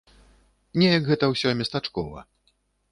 Неяк гэта ўсё местачкова.